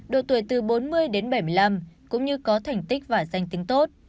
độ tuổi từ bốn mươi đến bảy mươi năm cũng như có thành tích và danh tính tốt